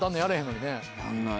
やんない